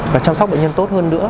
và chăm sóc bệnh nhân tốt hơn nữa